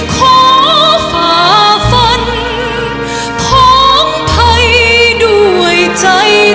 ขอฝ่าฝันท้องไทยด้วยใจทะนง